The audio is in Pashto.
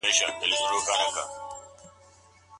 څوک کولای سي د خپل زیار په زور د خلګو زړونه وګټي؟